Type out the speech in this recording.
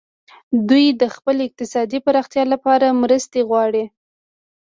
دوی د خپلې اقتصادي پراختیا لپاره مرستې غواړي